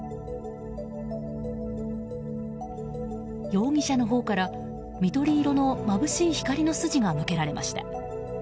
容疑者のほうから緑色のまぶしい光の筋が向けられました。